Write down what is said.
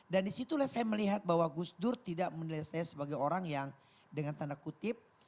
dan disitulah saya melihat bahwa gus dur tidak melihat saya sebagai orang yang dengan tanda kutip